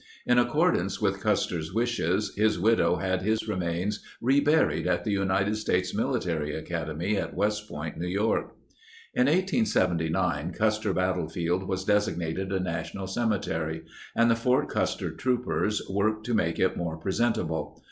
In accordance with Custer's wishes, his widow had his remains reburied at the United States Military Academy at West Point, New York. In 1879 Custer Battlefield was designated a na tional cemetery, and the Fort Custer troopers worked to make it more presentable.